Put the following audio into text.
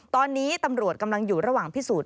ตอนนี้ตำรวจกำลังอยู่ระหว่างพิสูจน